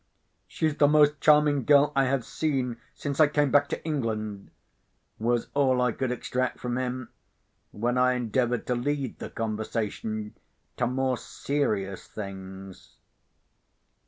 "She's the most charming girl I have seen since I came back to England!" was all I could extract from him, when I endeavoured to lead the conversation to more serious things.